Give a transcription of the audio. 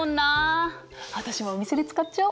私もお店で使っちゃおう！